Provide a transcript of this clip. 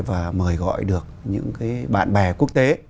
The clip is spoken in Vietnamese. và mời gọi được những cái bạn bè quốc tế